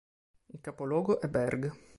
Il capoluogo è Berg.